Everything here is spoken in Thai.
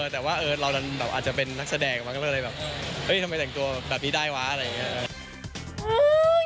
แต่ว่าเราอาจจะเป็นนักแสดงมันก็เลยแบบเฮ้ยทำไมแต่งตัวแบบนี้ได้วะอะไรอย่างนี้